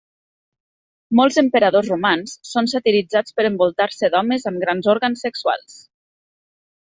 Molts emperadors romans són satiritzats per envoltar-se d'homes amb grans òrgans sexuals.